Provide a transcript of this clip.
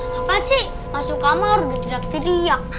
hah apa sih masuk kamar udah tidak kiriak